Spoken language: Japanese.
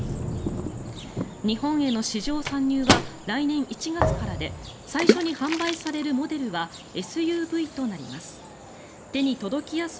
日本への市場参入は来年１月からで最初に販売されるモデルはＳＵＶとなります。